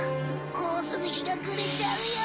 もうすぐ日が暮れちゃうよ。